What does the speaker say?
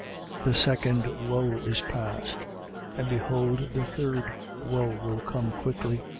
11:14. The second woe is past: and behold the third woe will come quickly.